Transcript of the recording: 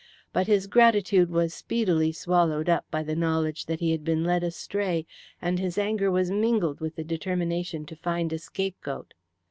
But his gratitude was speedily swallowed up by the knowledge that he had been led astray, and his anger was mingled with the determination to find a scapegoat.